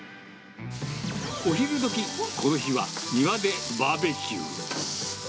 お昼どき、この日は庭でバーベキュー。